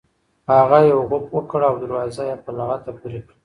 هغه یو غوپ وکړ او دروازه یې په لغته پورې کړه.